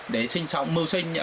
để sinh sống mưu sinh